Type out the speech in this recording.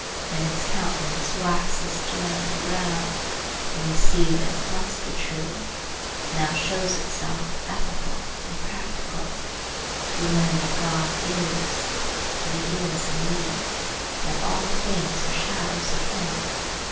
Then its countenance waxes stern and grand, and we see that it must be true. It now shows itself ethical and practical. We learn that God is; that he is in me; and that all things are shadows of him.